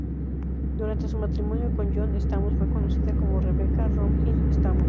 Durante su matrimonio con John Stamos fue conocida como Rebecca Romijn-Stamos.